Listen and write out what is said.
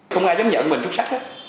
không ai dám nhận mình xuất sắc